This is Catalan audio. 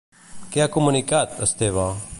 Què ha comunicat, Esteba?